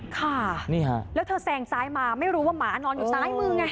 ค่ะแล้วเธอแซงซ้ายมาไม่รู้ว่าหมานอนอยู่ซ้ายมือไง